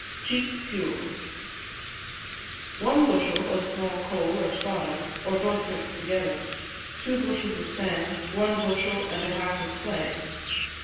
Cheap Fuel One bushel of small coal or sawdust, or both mixed together, two bushels of sand, one bushel and a half of clay.